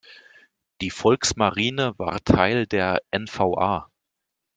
Die Volksmarine war Teil der N-V-A.